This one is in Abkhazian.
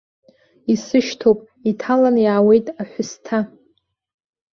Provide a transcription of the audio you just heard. Исышьҭоуп, иҭалан иаауеит аҳәысҭа.